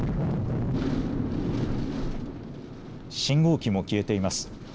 信号機も消えています。